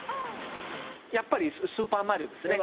やっぱ『スーパーマリオ』ですね。